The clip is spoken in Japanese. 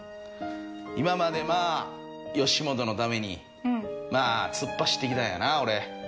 今までまぁ吉本のために突っ走ってきたんやな俺。